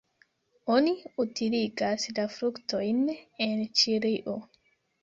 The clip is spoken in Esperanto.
Oni utiligas la fruktojn en Ĉilio.